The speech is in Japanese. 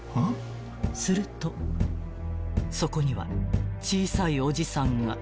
［するとそこには小さいおじさんが］